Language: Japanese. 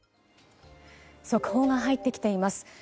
速報が入ってきています。